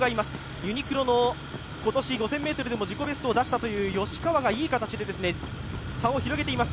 ユニクロの今年５０００ｍでも自己ベストを出した吉川がいい形で差を広げています。